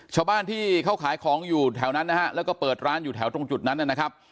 ชาวบ้านที่เขาขายของอยู่แถวนั้นนะฮะแล้วก็เปิดร้านอยู่แถวตรงจุดนั้นนะครับ